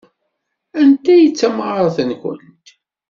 Anta ay d tamɣart-nwent?